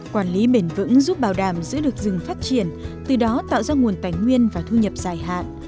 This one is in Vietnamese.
quản lý bền vững giúp bảo đảm giữ được rừng phát triển từ đó tạo ra nguồn tài nguyên và thu nhập dài hạn